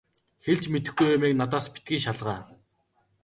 Хэлж мэдэхгүй юмыг надаас битгий шалгаа.